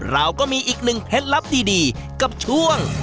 เราก็มีอีกหนึ่งเพศลัพธ์ดีกับช่วง